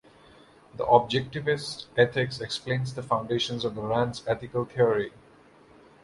"The Objectivist Ethics" explains the foundations of Rand's ethical theory.